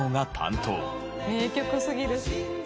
名曲すぎる。